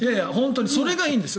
それがいいんですよ。